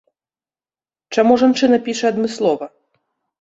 Чаму жанчына піша адмыслова?